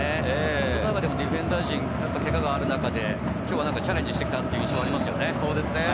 その中でもディフェンダー陣、けががある中で今日はチャレンジしてきたという印象がありますね。